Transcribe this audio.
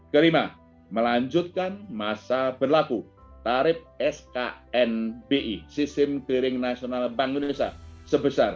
kelima melanjutkan masa berlaku tarif sknbi sistem kering nasional bank indonesia sebesar rp satu